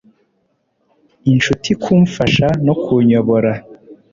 Inshuti kumfasha no kunyobora